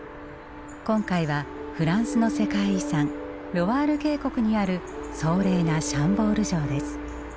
今回はフランスの世界遺産ロワール渓谷にある壮麗なシャンボール城です。